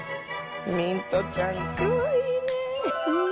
ミントちゃんかわいいね。